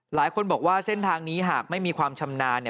หลายคนบอกว่าเส้นทางนี้หากไม่มีความชำนาญ